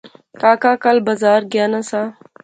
کاکا کل بزار گیا ناں سا